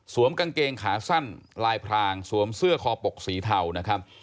กางเกงขาสั้นลายพรางสวมเสื้อคอปกสีเทานะครับ